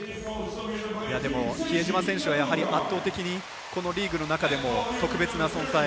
でも、比江島選手はやはり圧倒的にこのリーグの中でも特別な存在